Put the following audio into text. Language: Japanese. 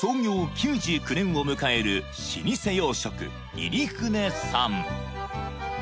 ９９年を迎える老舗洋食入舟さん